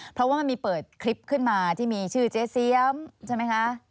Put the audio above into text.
เพราะว่ามันมีเปิดคลิปขึ้นมาที่มีชื่อเจ๊เสียมใช่ไหมคะ